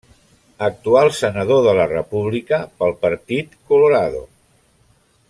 Actual senador de la República pel Partit Colorado.